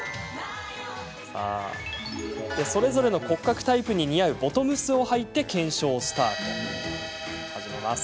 それぞれの骨格タイプに似合うボトムスをはいて検証スタート。